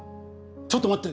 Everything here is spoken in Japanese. ちょっと待って。